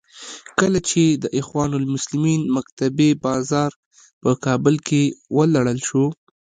کله چې د اخوان المسلمین مکتبې بازار په کابل کې ولړل شو.